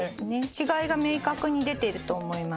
違いが明確に出てると思います。